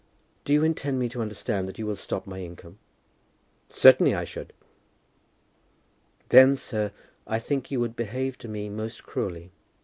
"Do you intend me to understand that you will stop my income?" "Certainly I should." "Then, sir, I think you would behave to me most cruelly.